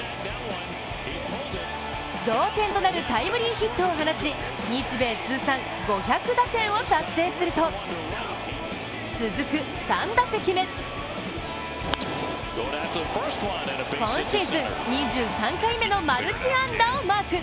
同点となるタイムリーヒットを放ち日米通算５００打点を達成すると続く、３打席目今シーズン２３回目のマルチ安打をマーク。